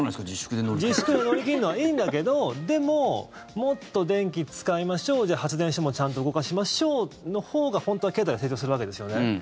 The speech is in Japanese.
自粛で乗り切るのはいいんだけどでも、もっと電気使いましょうじゃあ、発電所もちゃんと動かしましょうのほうが本当は経済が成長するわけですよね。